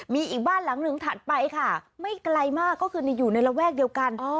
มีอีกบ้านหลังหนึ่งถัดไปค่ะไม่ไกลมากก็คืออยู่ในระแวกเดียวกัน